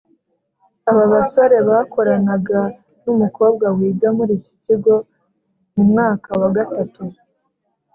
Aba basore bakoranaga n’umukobwa wiga muri iki kigo mu mwaka wa Gatatu